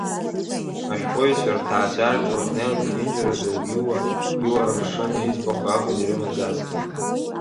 Ҳашәҟәыҩҩцәа рҭаацәараҿы, уахьнеилак зегьынџьара Иуа, Иуа рымшын, иӡбахә акәын ирымаӡазгьы.